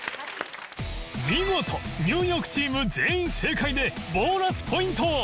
見事ニューヨークチーム全員正解でボーナスポイント！